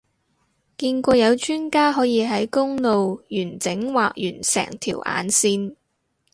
見過有專家可以喺公路完整畫完成條眼線